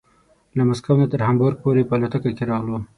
له مسکو نه تر هامبورګ پورې په الوتکه کې راغلو.